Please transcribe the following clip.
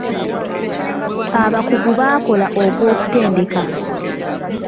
Abakugu bakola ogw'okutendeka.